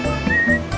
gak ada apa apa